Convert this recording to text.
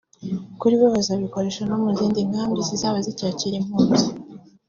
Kuri bo bazabikoresha no mu zindi nkambi zizaba zicyakira impunzi